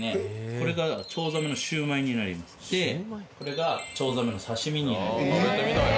これがチョウザメのシュウマイになりますでこれがチョウザメの刺身になります